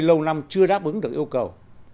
lâu năm chưa đáp ứng được yêu cầu